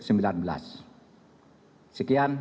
assalamu'alaikum warahmatullahi wabarakatuh